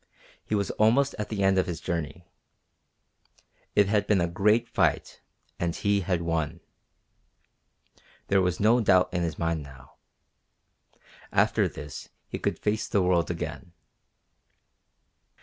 He was almost at the end of his journey. It had been a great fight, and he had won. There was no doubt in his mind now. After this he could face the world again.